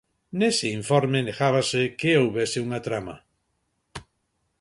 Nese informe negábase que houbese unha trama.